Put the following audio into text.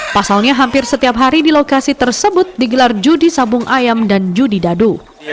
pasalnya hampir setiap hari di lokasi tersebut digelar judi sabung ayam dan judi dadu